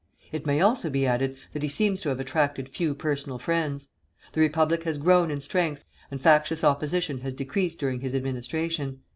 It may also be added that he seems to have attracted few personal friends. The Republic has grown in strength, and factious opposition has decreased during his administration.